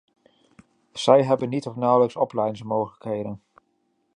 Zij hebben niet of nauwelijks opleidingsmogelijkheden.